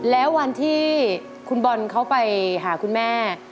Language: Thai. แล้ววันที่คุณบอลเขาไปหาคุณแม่